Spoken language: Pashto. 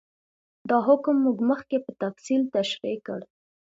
دا حکم موږ مخکې په تفصیل تشرېح کړ.